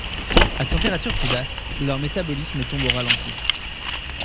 À température plus basse, leur métabolisme tombe au ralenti.